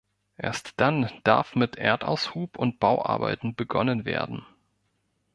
Erst dann darf mit Erdaushub und Bauarbeiten begonnen werden.